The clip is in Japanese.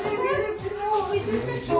こんにちは。